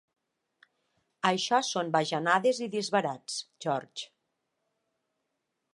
Això són bajanades i disbarats, George.